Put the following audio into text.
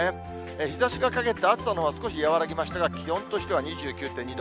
日ざしが陰って、暑さのほうは少し和らぎましたが、気温としては２９．２度。